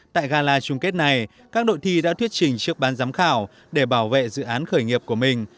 tại gala chung kết này các đội thi đã thuyết trình trước ban giám khảo để bảo vệ dự án khởi nghiệp của mình